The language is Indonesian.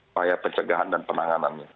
upaya pencegahan dan penanganannya